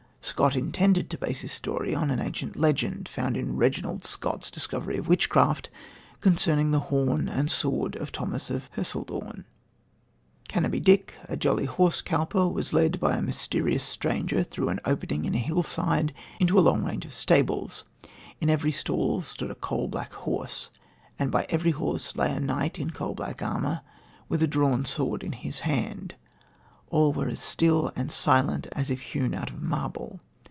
Scott intended to base his story on an ancient legend, found in Reginald Scot's Discovery of Witchcraft, concerning the horn and sword of Thomas of Hercildoune. Cannobie Dick, a jolly horse cowper, was led by a mysterious stranger through an opening in a hillside into a long range of stables. In every stall stood a coal black horse, and by every horse lay a knight in coal black armour, with a drawn sword in his hand. All were as still and silent as if hewn out of marble.